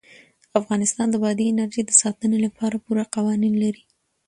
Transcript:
افغانستان د بادي انرژي د ساتنې لپاره پوره قوانین لري.